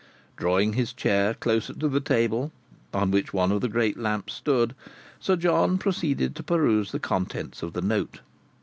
Drawing his chair closer to the table, on which one of the great lamps stood, Sir John proceeded to peruse the contents of the note.